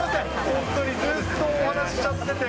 本当にずっとお話しちゃってて。